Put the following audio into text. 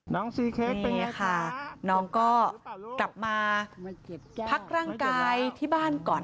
ซีเคสนี่ค่ะน้องก็กลับมาพักร่างกายที่บ้านก่อน